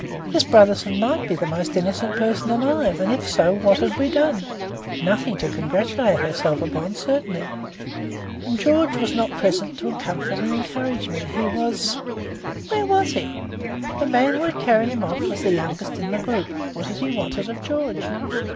This Brotherson might be the most innocent person alive; and, if so, what had we done? Nothing to congratulate ourselves upon, certainly. And George was not present to comfort and encourage me. He was Where was he? The man who had carried him off was the youngest in the group. What had he wanted of George?